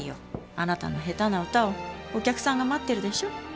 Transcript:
あなたの下手な歌をお客さんが待ってるでしょ。